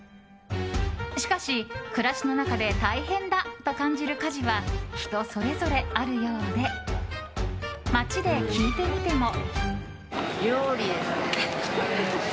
しかし、暮らしの中で大変だと感じる家事は人それぞれあるようで街で聞いてみても。